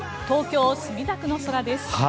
東京・墨田区の空です。